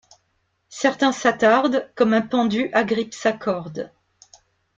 Certains s’attardent, comme un pendu agrippe sa corde.